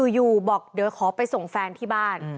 อยู่บอกเดี๋ยวขอไปส่งแฟนที่บ้าน